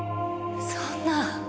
そんな。